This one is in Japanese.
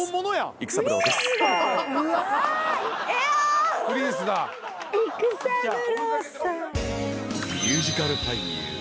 育三郎さん。